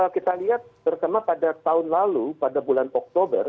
kita lihat terutama pada tahun lalu pada bulan oktober